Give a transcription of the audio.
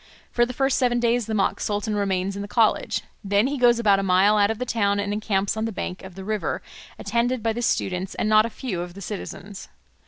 For the first seven days the mock sultan remains in the college; then he goes about a mile out of the town and encamps on the bank of the river, attended by the students and not a few of the citizens.